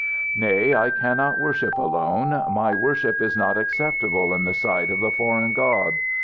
"Nay, I cannot worship alone. My worship is not acceptable in the sight of the foreign God.